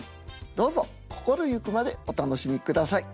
どうぞ心ゆくまでお楽しみください。